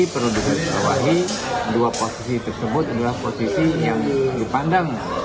perlu digarisbawahi dua posisi tersebut adalah posisi yang dipandang